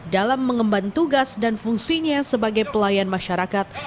dalam mengemban tugas dan fungsinya sebagai pelayan masyarakat